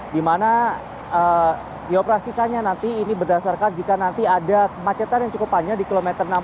di mana dioperasikannya nanti ini berdasarkan jika nanti ada kemacetan yang cukup panjang di kilometer enam puluh